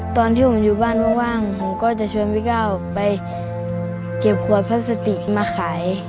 ตอนที่ผมอยู่บ้านว่างผมก็จะชวนพี่ก้าวไปเก็บขวดพลาสติกมาขาย